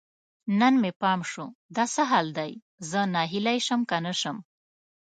نن مې پام شو، دا څه حال دی؟ زه ناهیلی شم که نه شم